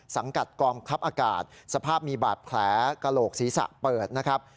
สังกัดกองทัพอากาศสภาพมีบาดแผลกระโหลกศีรษะเปิดนะครับ